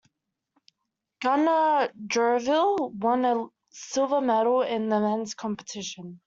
Gunnar Jervill won a silver medal in the men's competition.